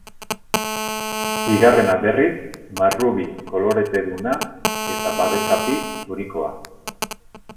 Bigarrena, berriz, marrubi-koloreteduna eta babes-zapi zurikoa.